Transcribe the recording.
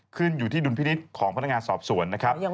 ขึ้นอยู่ที่ดุลพินิษฐ์ของพนักงานสอบสวนนะครับ